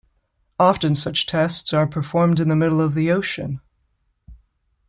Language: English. Often such tests are performed in the middle of the ocean.